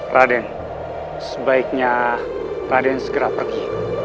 raden sebaiknya raden segera pergi